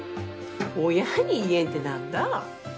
親に言えんってなんだ？